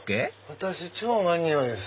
私超マニアです。